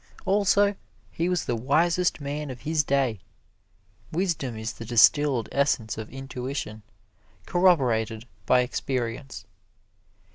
Also, he was the wisest man of his day. Wisdom is the distilled essence of intuition, corroborated by experience.